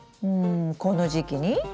うんこの時期に？